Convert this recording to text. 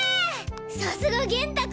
さすが元太君！